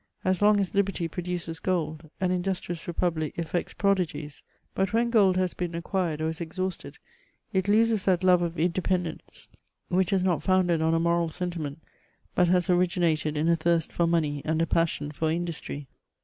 As long as liberty pro duces gold, an industrious republic effects prodigies ; but when gold has been acquired or is exhausted, it loses that love of inde pendence which is not founded on a moral sentiment, but. has originated in a thirst for money and a passion for industry.